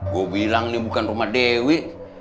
gue bilang ini bukan rumah dewi